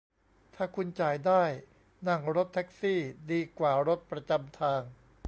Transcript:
ถ้าคุณจ่ายได้ นั่งรถแท็กซี่ดีกว่ารถประจำทาง